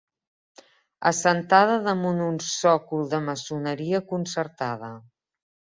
Assentada damunt un sòcol de maçoneria concertada.